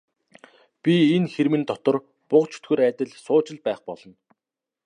Би энэ хэрмэн дотор буг чөтгөр адил сууж л байх болно.